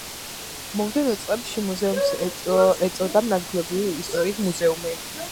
მომდევნო წლებში მუზეუმს ეწოდა ადგილობრივი ისტორიის მუზეუმი.